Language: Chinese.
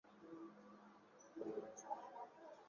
它是由北欧女神吉菲昂与四头牛所组成。